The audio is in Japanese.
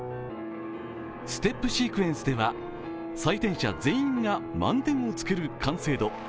ステップシークエンスでは採点者全員が満点をつける完成度。